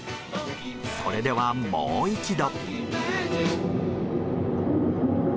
それでは、もう一度。